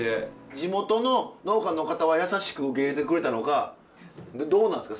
地元の農家の方は優しく受け入れてくれたのかどうなんですか？